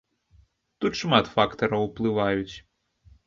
Тут шмат фактараў уплываюць.